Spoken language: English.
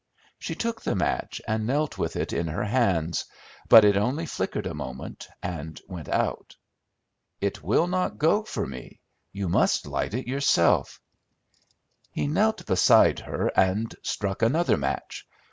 She took the match, and knelt with it in her hands; but it only flickered a moment, and went out. "It will not go for me. You must light it yourself." He knelt beside her and struck another match.